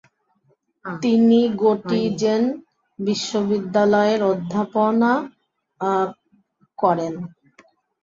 তিনি গটিনজেন বিশ্ববিদ্যালয়ে অধ্যাপনা করেন।